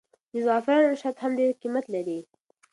د زعفرانو شات هم ډېر قیمت لري.